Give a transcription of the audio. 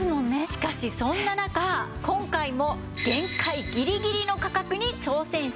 しかしそんな中今回も限界ギリギリの価格に挑戦しました。